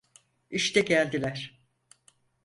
İşte geldiler.